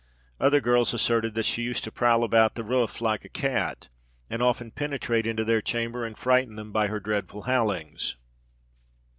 Other girls asserted that she used to prowl about the roof like a cat, and often penetrate into their chamber, and frighten them by her dreadful howlings.